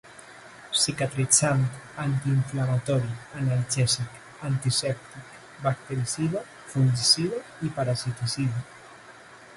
Cicatritzant, antiinflamatori, analgèsic, antisèptic, bactericida, fungicida i parasiticida.